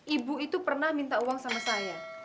ibu itu pernah minta uang sama saya